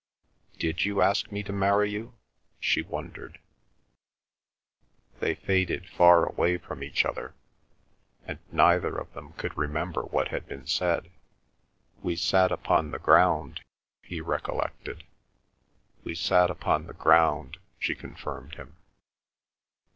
"Did you ask me to marry you?" she wondered. They faded far away from each other, and neither of them could remember what had been said. "We sat upon the ground," he recollected. "We sat upon the ground," she confirmed him.